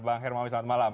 bang hermawit selamat malam